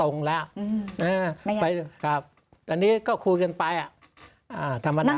นัดนี้ก็คุยกันไปธรรมดา